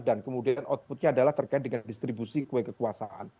dan kemudian outputnya adalah terkait dengan distribusi kekuasaan